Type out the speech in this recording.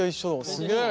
すげえ。